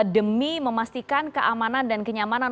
demi memastikan keamanan dan kenyamanan